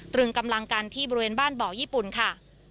กำลังกันที่บริเวณบ้านบ่อญี่ปุ่นค่ะ